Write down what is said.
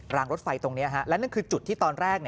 รางรถไฟตรงนี้และนั่นคือจุดที่ตอนแรก